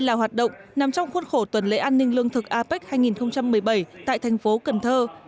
là hoạt động nằm trong khuôn khổ tuần lễ an ninh lương thực apec hai nghìn một mươi bảy tại thành phố cần thơ